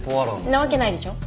んなわけないでしょ。